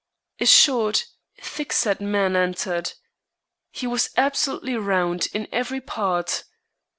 A short, thick set man entered. He was absolutely round in every part.